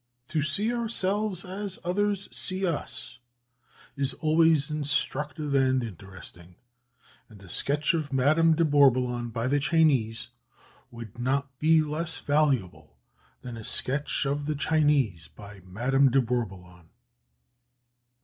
"To see ourselves as others see us" is always instructive and interesting; and a sketch of Madame de Bourboulon by the Chinese would not be less valuable than a sketch of the Chinese by Madame de Bourboulon.